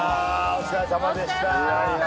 お疲れさまでした！